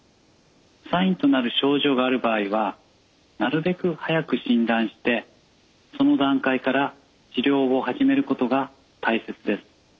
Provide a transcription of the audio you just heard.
サインとなる症状がある場合はなるべく早く診断してその段階から治療を始めることが大切です。